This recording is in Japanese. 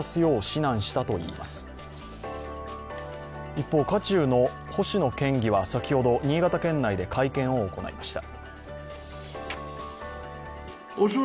一方、渦中の星野県議は先ほど、新潟県内で会見を行いました。